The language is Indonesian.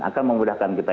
akan memudahkan kita